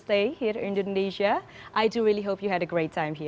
saya juga sangat berharap anda memiliki waktu yang bagus di sini